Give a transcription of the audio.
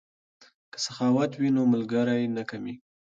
که سخاوت وي نو ملګری نه کمیږي.